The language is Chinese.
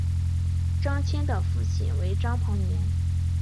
张謇的父亲为张彭年。